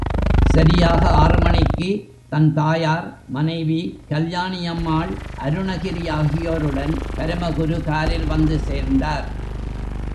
சரியாக ஆறு மணிக்கு தன் தாயார், மனைவி, கல்யாணி அம்மாள், அருணகிரி ஆகியோருடன் பரமகுரு காரில் வந்து சேர்ந்தார்.